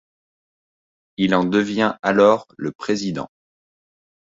Il en devient alors le président.